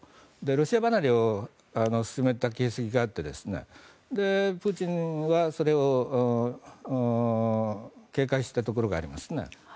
ロシア離れを進めた形跡があってプーチンはそれを警戒していたところがあります。